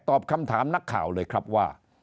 ตอบคำถามนักข่าวเลยครับว่า